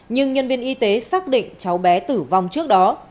nhưng nhân viên y tế xác định cháu bé tử vong trước đó